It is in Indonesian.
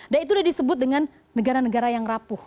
dan itu udah disebut dengan negara negara yang rapuh